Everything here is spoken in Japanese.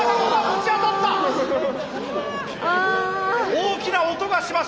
大きな音がしました。